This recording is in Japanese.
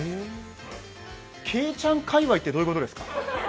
けいちゃん界わいってどういうことですか？